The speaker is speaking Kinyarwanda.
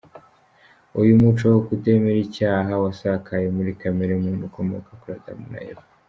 Uyu muco wo kutemera icyaha wasakaye muri kamere muntu ukomoka kuri Adamu na Eva.